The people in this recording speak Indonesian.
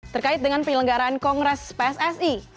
terkait dengan penyelenggaraan kongres pssi